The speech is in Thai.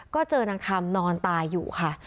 ก็เจอนางคำนอนตายอยู่ค่ะ